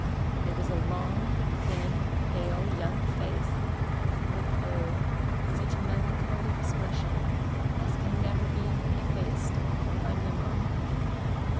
It was a long, thin, pale, young face, with, oh, such a melancholy expression as can never be effaced from my memory!